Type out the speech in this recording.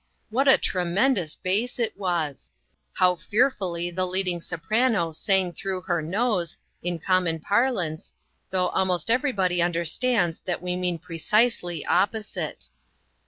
What a tremendous bass it was ! How fearfully the leading soprano " sang through her nose," in common parlance, though almost every body understands that we mean precisely opposite